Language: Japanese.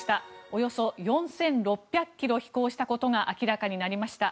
およそ４６００ｋｍ飛行したことが明らかになりました。